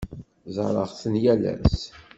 Ẓerreɣ-ten yal ass.